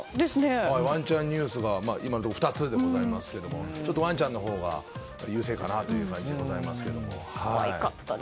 ワンちゃんニュースが今のところ２つですがちょっとワンちゃんのほうが優勢かなという感じですね。